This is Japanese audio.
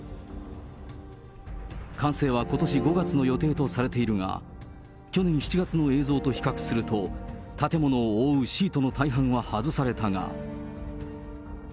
完成はことし５月の予定とされているが、去年７月の映像と比較すると、建物を覆うシートの大半は外されたが。